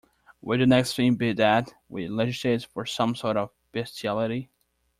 Will the next thing be that we legislate for some sort of bestiality?